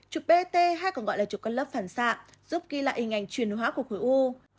chụp bt hay còn gọi là chụp các lớp phản xạ giúp ghi lại hình ảnh truyền hóa của khối u